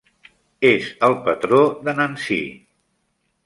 És el patró de Nancy.